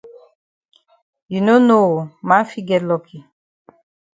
You no know oo man fit get lucky.